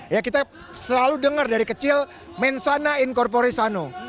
ya kita selalu dengar dari kecil mensana incorpore sano